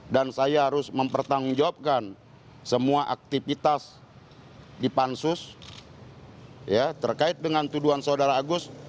dan saya harus mempertanggungjawabkan semua aktivitas di pansus terkait dengan tuduhan saudara agus